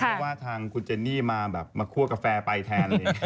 เพราะว่าทางคุณเจนนี่มาแบบมาคั่วกาแฟไปแทน